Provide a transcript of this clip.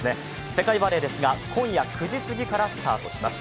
世界バレーですが今夜９時過ぎからスタートします。